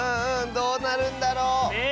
どうなるんだろう⁉ねえ。